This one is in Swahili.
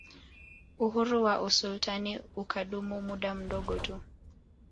Uhuru wa usultani ukadumu muda mdogo tu